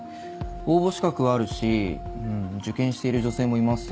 応募資格はあるし受験している女性もいます。